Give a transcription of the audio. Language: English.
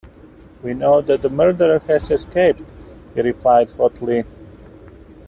"We know that the murderer has escaped," he replied hotly.